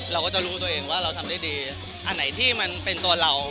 เราก็จะรู้ตัวเองว่าเราทำได้ดีอันไหนที่มันเป็นตัวเรา